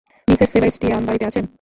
Mrs Sebastian বাড়িতে আছেন?